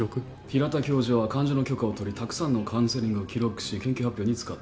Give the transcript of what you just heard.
平田教授は患者の許可を取りたくさんのカウンセリングを記録し研究発表に使っていた。